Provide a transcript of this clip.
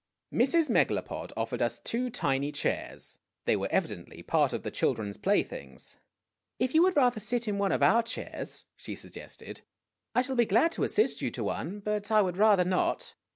Mrs. Megalopod offered us two tiny chairs. They were evi dently part of the children's playthings. "If you would rather sit in one of our chairs," she suggested, " I shall be glad to assist you to one, but I would rather not.